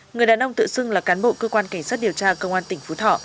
người đàn ông tự xưng là cán bộ cơ quan cảnh sát điều tra công an tỉnh phú thọ